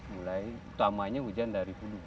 mulai utamanya hujan dari hulu